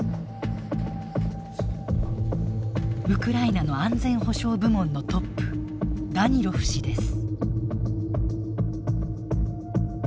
ウクライナの安全保障部門のトップダニロフ氏です。